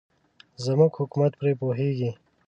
زموږ حکومت پرې پوهېږي.